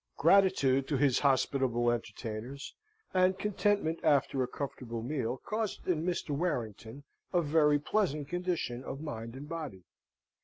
Gratitude to his hospitable entertainers, and contentment after a comfortable meal, caused in Mr. Warrington a very pleasant condition of mind and body.